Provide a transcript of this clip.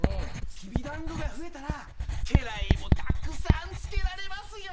きびだんごが増えたら家来もたくさんつけられますよ。